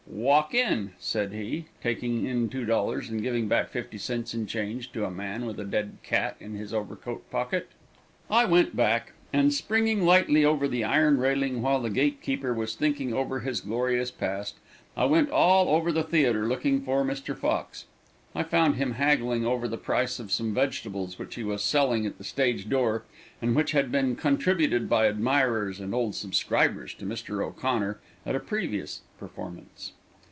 "Walk in," said he, taking in $2 and giving back 50 cents in change to a man with a dead cat in his overcoat pocket. I went back, and springing lightly over the iron railing while the gatekeeper was thinking over his glorious past, I went all around over the theater looking for Mr. Fox. I found him haggling over the price of some vegetables which he was selling at the stage door and which had been contributed by admirers and old subscribers to Mr. O'Connor at a previous performance.